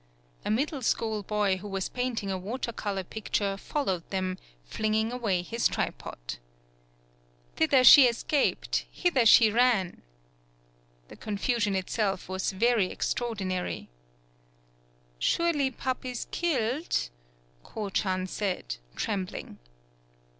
A middle school boy, who was painting a water color picture, followed them, flinging away his tripod. "Thither she escaped, hither she rani" 128 A DOMESTIC ANIMAL The confusion itself was very extraor dinary. "Surely, Pup is killed," Ko chan said, trembling.